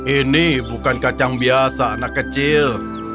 ini bukan kacang biasa anak kecil